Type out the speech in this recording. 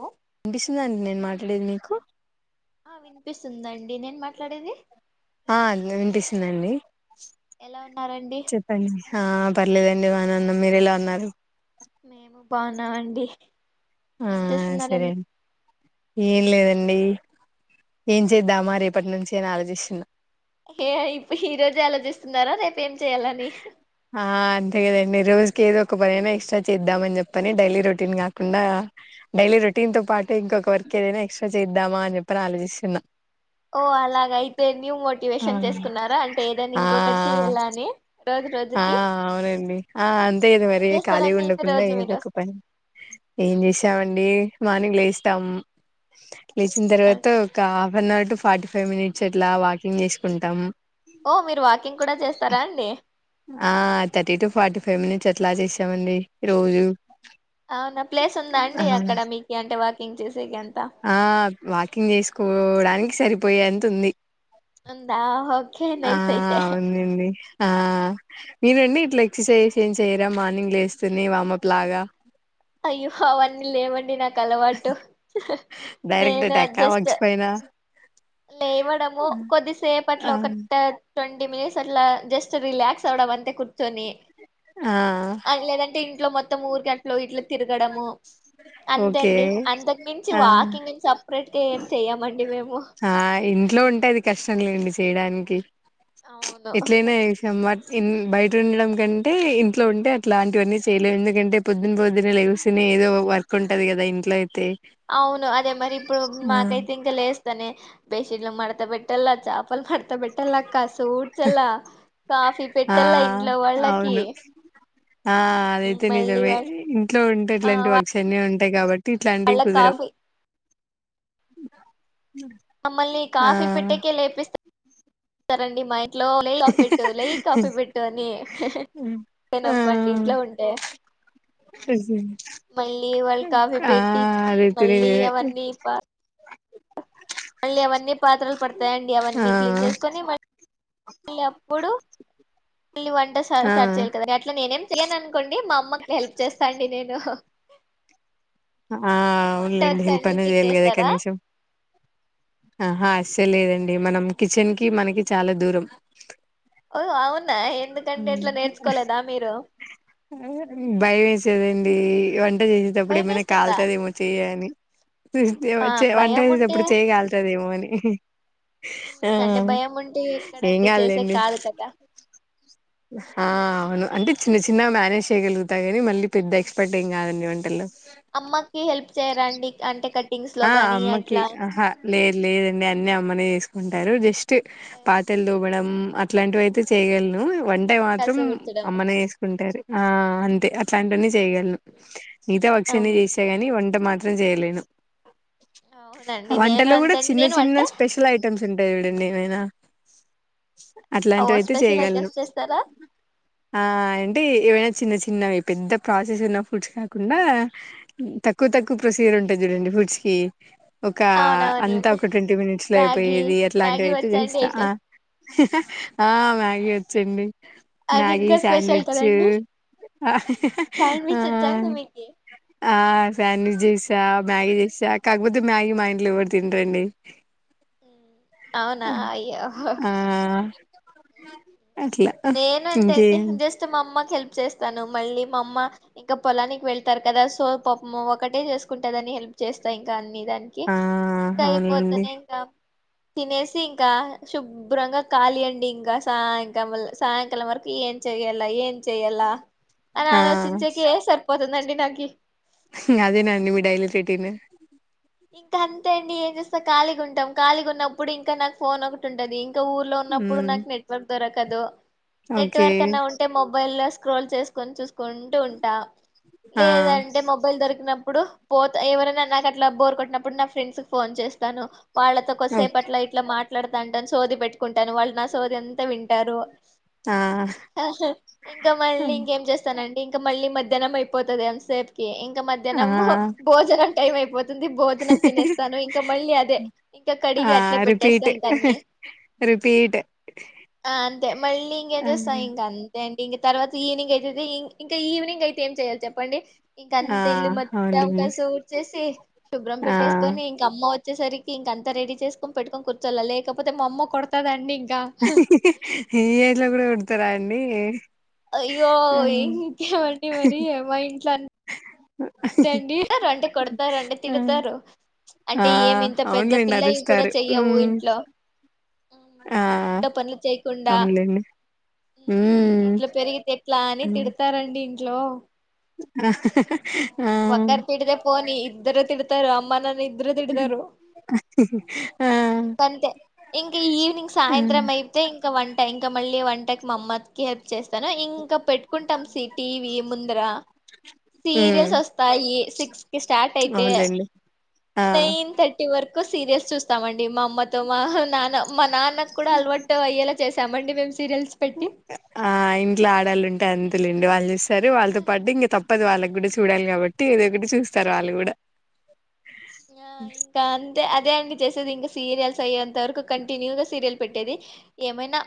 Hello పిసిందంన్ నేన్ మాట్లేది మీకు ఆ వినిపిస్సుందన్ నేనేం మాట్లాడేది నండి ఎలా ఉన్నారండి చెప్పండి ఆ పర్లేదన్ ఇన్ బానేవున్నం మీరెలా ఉన్నారు. మేము బాన్నాం అండి. ఆ సరే అన్ ఏం లేదన్ ంని ఏం జేద్దామా రేపట్నుంచ్చని ఆలోజిస్న ఏ ఇప్ప్ ఇ రోజే ఆలోజిస్నార రేపేం చేయాలని ఆ అంతే కదండి రోజుకి ఏదో ఒక పనైనా ఎక్స్ట చేద్దామని చెప్పని డైలీ రొటీన్ కాకుండా డైలీ రొటీన్తో పాటు ఇంకొక వర్క్ ఏదైనా ఎక్స్టా చేద్దామా అని చెప్పని ఆలోచిస్సున్న ఓ అలాగయితే న్యూ ఆ మోటివేషన్ చేసుకున్నారా అంటే ఏదన్ ఆ ఇంకొకటి చెయ్యాల అని రోజు ఆ రోజుకి అవునండి ఆ అంతే కద ఏం మరి ఖాళీగా చేస్తారండి అయితే ఉండకుంన రోజు మీరు ఏదొక పని, ఏం చేస్సిమండి. మాన్నింగ్ లేస్టమ్. లేచిన తర్వాత ఓకే. ఒక one hour to forty five minutes ఎట్లా వాకింగ్ చేసుకుంటాం. ఓ మీరు వాకింగ్ కూడా చేస్తారా అండి? ఆ thirty to forty five minutes అట్లా చేసామండి రోజు అవునా ప్లేస్ ఉందా అండి ఆ అక్కడ మీకు అంటే వాకింగ్ చేసేకి అంత? సరిపోయే అంత ఉంది. ఉందా ఓకే ఆ నైస్ అయితే అవునండి ఆ నేనండి ఇట్లా ఎక్సర్సైజ్ ఏం చేయరా మార్నింగ్ లే వేస్తుని వామప్ లాగా అయ్యో అవన్నీ లేమండి నాక్ తలవాటు డైరెక్ట్ నేను అటాక్ అడ్జస్ట్ వర్క్స్ పైన లేవడము ఆ కొద్దిసేపట్లో ఒక థర్ట్ ట్వంటీ మినిట్స్ అట్లా జస్ట్ రిలాక్స్ అవడం అంతే కూర్చొని ఆ అ లేదంటే ఇన్ లో మొతము ఊరుకట్లో ఇట్ తిరగడము ఓకే అంతండి అంతకు మించి ఆ వాకింగ్ సపరేట్ ఏం చెయమండి మేము ఆ ఇంట్లో ఉంటాది కష్టం లేండి చేయడానికి అవును ఎట్లైన చేస్తాం బట్ ఇన్ బై ఇట్ల ఉండడం కంటే ఇంట్లో ఉంటే అట్లాంటివన్నీ చేయలేము, ఎందుకంటే పొద్దున పొద్దున లేగుసునే ఏదో వర్క్ ఉంటది కదా ఇంట్లో అయితే. అవును అదే మరి ఇప్పుడు మాకైతే ఇంకా లేస్తానే బెస్ట్ ఇట్లు మడత పెట్టాలా చాపాలు మడత త్త పెట్టాల అక్క సూడ్చలా కాఫీ ఆ పెట్టలా ఇంట్లో వాళ్ళకి అవును ఆ అదైతే మళ్ళీ నిజమే వా ఇంట్లో ఉంటే ఆ ఇట్లాంటి వర్క్స్ [unintelligible] ఇట్లాంటివి వాళ్ళ కుదరవ్ కాఫీ మమ్మల్ని ఆ కాఫీ పెట్టెకె లేపేస్త సరండి మై ఇంట్లో లే కాఫీ పెట్టు లే కాఫీ పెట్టు అని హ్మ్. నేన్ ఆ అప్పడి నుంచే ఉంటే, మళ్ళీ వాళ్ళు కాఫీ ఆ పెట్టించి అదైతే మళ్ళీ నిజమే అవన్నీ ప మళ్ళీ అవన్నీ పాత్రలు పడతాయండి ఆ అవన్నీ క్లీన్ చేసుకొని మళ్ మళ్ళీ అప్పుడు మళ్ళీ వంట స్టార్ట్ ఆ స్టార్ట్ చేయాలి కదా గట్లా నేనేం చెయ్యను. అనుకోండి మా అమ్మకి హెల్ప్ చేస్తా అండి నేను ఆ మీరు వంట అవునులేండి. హెల్ప్ వచ్చండి అన్న మీరు చేయాలి కదా చేస్తారా కనీసం ఆహా అస్సల్ లేదండి ఇగ మనం కిచెన్ కి మనకి చాలా దూరం ఓ అవునా ఎందుకండి హ్మ్. ఆట్ల నేర్చుకోలేదా మీరు ఏ వం ట చేసేటప్పుడు భయం ఏమైనా వేస్తుందా కళ్తది ఏమో చెయ్యి అని [unintelligible] ఆ వంట చేయి మంటె భయం ఉంటే చేసేటప్పుడు చెయ్యి కళ్తదేమో అని హీ హి హుమ్మ్ అంటే భయం ఉంటే ఏం ఎక్కడండి చేసేకి కాదులేండి కాదు గాదా ఆ అవును అంటే చిన్న చిన్నగా మ్యానేజ్ చేయ్యగలుగుతా కానీ మళ్ళీ పెద్ద ఎక్స్పర్ట్ ఏం కాదండి వంటల్లో అమ్మకి హెల్ప్ చేయ్యరండి. అంటే కట్ ఆ అమ్మకి ఆహా లేదు లేదండి అన్నీ అమ్మనే చేసు ఉంటారు. జస్ట్ పాత్రాలు తోమడం అట్లాంటివైతే చేయాగలను. వంటే మాత్రం కసు కూర్చడం అమ్మనే చేసుకుంటది. ఆ అంతే అట్లాంటివ్వన్నీ అవునా చేయగలను. మిగతై వచ్చండి అమ్ [unintelligible] చేసా గాని వంట మాత్రం నేను జేయలేను. అవునండి ఆ నేను వంటలో కూడా అంతేండి చిన్న నేను చిన్న అంటే స్పెషల్ ఐటెమ్స్ ఉంటాయి. చూడండి ఏమైనా ఓ అట్లాంటివి అయితే స్పెషల్ చేయగలను ఐటమ్స్ చేస్తారా ఆ అంటే ఏవైనా చిన్న చిన్నవి పెద్ద ప్రాసెస్ అయిన ఫుడ్స్ కాకుండా తక్కువ తక్కువ ప్రొసీజర్ ఉం [unintelligible] చూడండి ఫుడ్స్ కి ఒక అంతా అవునవునండి ఒక ట్వంటీ మినిట్స్ లో మ్యాగీ అయిపోయేది. అట్లాంటివి మ్యాగీ అయితే వచ్చాండి చేస్తా అయితే ఆ ఆ మ్యాగీ వోచ్చండి. అది మ్యాగీ ఇంకా స్పెషల్ శాండ్విచ్ కదండి ఆ శాండ్విచ్ వచ్చాండి మీకి ఆ శాండ్విచ్ జేసి ద మ్యాగీ చేస్తా కాకపోతే మ్యాగీ మా ఇంట్లో ఎవరు తినరండి. అవునా ఆ అయ్యో ఆ అట్లా నేను అంతే అండి ఇంకేం జస్ట్ మా అమ్మక్ హెల్ప్ చేస్తాను మళ్ళీ మా అమ్మ ఇంకా పొలానికి వెళ్తారు కదా సో పాపం ఒకటే చేసుకుంటాదని హెల్ప్ చేస్తా ఇంకా అ దానికి ఆ ఇంకా అవునులేండి అయిపోతానే ఇంకా తినేసి ఇంకా శుభ్రంగా కాలీ అండి ఇంకా సా ఇంకా మళీ సాయంకాలం వరకు ఏం చెయాలా ఏం చెయల్ అని ఆ ఆలోచించక సర్ పతందండి నాకి అదేనండి ని మీ డైలీ రెటీన్ ఇంకా అంతే అండి ఏం చేస్తా ఖాళీగా ఉంటాం ఖాళీ ఉన్నప్పుడు ఇంకా నాకు ఫోన్ ఒకటి ఉంటదిం ఇక ఊర్లో ఉన్నప్పుడు మ్మ్ నాకు నెట్వర్క్ దొరక కదు ఓకే నెట్వర్క్ అన్నా ఉంటే మొబైల్ స్క్రోల్ చేసుకొని చూసుకుంటూ ఉంటా ఆ లేదంటే మొబైల్ దొరికినప్పుడు ఇప్పుడు పోత ఎవరైనా నాక అట్లాబ్ బ కొట్టినప్పుడు నా ఫ్రెండ్స్ కి ఫోన్ చేస్తాను వాళ్ళతో ఓ కొసేపట్లా ఇట్లా మాట్లాడుత టన సోది పెట్టుకుంటాను వాళ్ళు నా సోది అంతా వింటారు ఆ ఇంకా మళ్ళీ ఇంకేం చేస్తానండి ఇంకా మళ్ళీ మధ్యాహ్నం అయిపోతుదింది ఎం సేఫ కి ఇంకా ఆ మధ్యాహ్నం భోజనం టైమ్ పుపోతుంది భోజనం తినేస్తాను ఇంకా మళ్ళీ అదే ఇంకా ఆ కడిగి అట్లే పెట్టేస్తా రిపీట్ ఇంకాన్న రిపీట్ అంతే మళ్ళీ ఇంకేం ఆ చేస్తా ఇంక అంతే ఇంక తర్వాత ఈవవినింగ్ అయితతే ఇంకా ఈవినింగ్ అయితే ఏం చెయ్యాలి చెప్పండి ఇంకా ఆ అంత ఇల్ మత్త అవునులేండి అవకాశ ఊర్ చేసి శుభ్రం ఆ పెట్టేసుకొని ఇంకమ్ వచ్చేసరికి ఇంకంత రెడీ చేసుకని పెట్టుకొనిర్చోలే లేకపోతే మా అమ్మ కుడాద అండింకా ఈ అలో కూడా ఉడతారా అండి [inaudible] అయ్యో ఆ ఏం ఇమండి మరి అ మా ఇంట్లా అంతండి అంటే కొడతారు అంటే ఆ తిడతారు ఆ అంటే ఏమి ఇంత పెద్ద అవునులేండి పిల్లవి కూడా అరుస్తారు చెయ్యవు ఉమ్ ఇంట్లో ఆ ఇంట్లో పనులు చేయకుండా అవునులేండి ఉమ్ ఇంట్లో పెరిగితేట్లా అని తిడతారండి హలో ఆ ఇద్దారు పిడదే పోనీ ఇద్దరు తిడతారు అమ్మ అనది. ఆ ఇంక అంతే ఇంకా ఈవినింగ్ ఉమ్ సాయంత్రం అయితే ఇంకా వంట ఇంక మళ్ళీ వంటకి మా అమ్మకి హెల్ప్ చేస్తాను. ఇంకా పెట్టుకుంటాం సి టీవీ ముందర సీరియల్స్ వస్ తాయి సిక్స్ కి స్టార్ట్ అయితే అవునులేండి ఆ నైన్ థర్టీ వరకు. సీరియల్స్ చూస్తామండి మా అమ్మతో మా నాన్న మా నాన్నకు కూడా అలవాటు అయ్యల చేసామండి మేం. ఆ ఇంట్లో ఆడళ్ళు ఉంటే అంతేలేండి వాళ్ళు చుసు సరే వాళ్ళతో పాటు ఇంక తప్ప. తప్పదు వాళ్ళకు కూడా చూడాలి కాబట్టి ఏదో ఒకటి చూస్తారు వాళ్ళు కూడా. ఆహ్ ఇంకా అంతే అట్ దేనికి చేసేది ఇంకా సీరియల్స్ అయ్యేది. తరకు కంటిన్యూగా సీరిల్ పెట్టేది ఏమైనా.